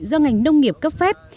do ngành nông nghiệp cấp phép